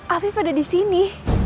afif ada disini